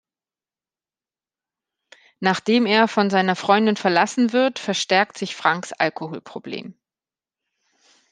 Nachdem er von seiner Freundin verlassen wird, verstärkt sich Franks Alkoholproblem.